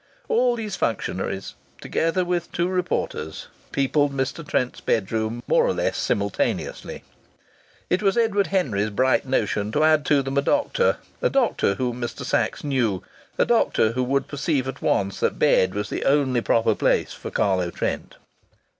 All these functionaries, together with two reporters, peopled Mr. Trent's bedroom more or less simultaneously. It was Edward Henry's bright notion to add to them a doctor a doctor whom Mr. Sachs knew, a doctor who would perceive at once that bed was the only proper place for Carlo Trent.